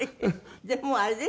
でもあれですよね。